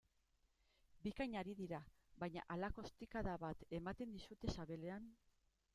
Bikain ari dira, baina halako ostikada bat ematen dizute sabelean...